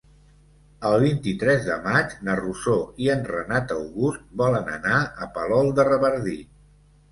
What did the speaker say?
El vint-i-tres de maig na Rosó i en Renat August volen anar a Palol de Revardit.